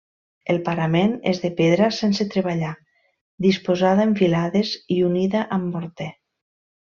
El parament és de pedra sense treballar disposada en filades i unida amb morter.